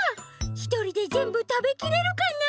ひとりでぜんぶたべきれるかなあ？